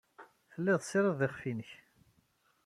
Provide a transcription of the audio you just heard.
Tellid tessidired iɣef-nnek.